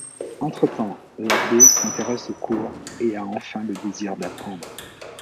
Entre-temps, la B s'intéresse aux cours et a enfin le désir d'apprendre.